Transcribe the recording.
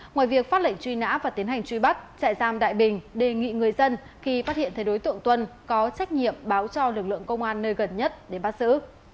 ngoài việc phát lệnh truy nã và tiến hành truy bắt trại giam đại bình đề nghị người dân khi phát hiện thấy đối tượng tuân có trách nhiệm báo cho lực lượng công an nơi gần nhất để bắt giữ